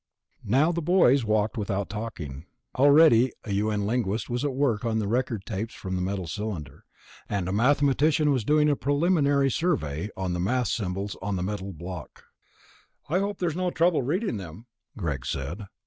Now the boys walked without talking. Already a U.N. linguist was at work on the record tapes from the metal cylinder, and a mathematician was doing a preliminary survey on the math symbols on the metal block. "I hope there's no trouble reading them," Greg said.